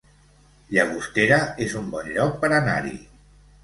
Llagostera es un bon lloc per anar-hi